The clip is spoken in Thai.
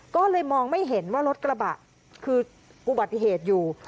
ก็เลยมองไม่เห็นว่ารถกระบะคืออุบัติเหตุอยู่